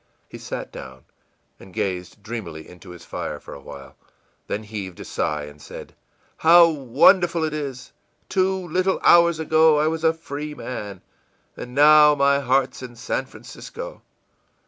î He sat down, and gazed dreamily into his fire for a while, then heaved a sigh and said: ìHow wonderful it is! Two little hours ago I was a free man, and now my heart's in San Francisco!